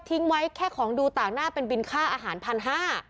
ไว้แค่ของดูต่างหน้าเป็นบินค่าอาหารพันห้า